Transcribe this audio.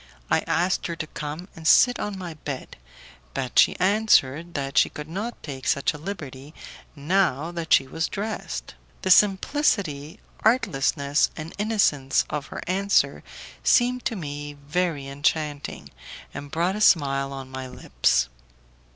I asked her to come and sit on my bed, but she answered that she could not take such a liberty now that she was dressed, The simplicity, artlessness, and innocence of the answer seemed to me very enchanting, and brought a smile on my lips.